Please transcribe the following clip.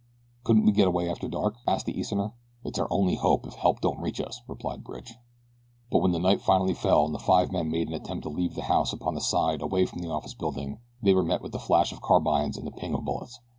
"Couldn't we get away after dark?" asked the Easterner. "It's our only hope if help don't reach us," replied Bridge. But when night finally fell and the five men made an attempt to leave the house upon the side away from the office building they were met with the flash of carbines and the ping of bullets.